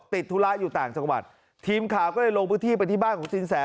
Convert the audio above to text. ธุระอยู่ต่างจังหวัดทีมข่าวก็เลยลงพื้นที่ไปที่บ้านของสินแส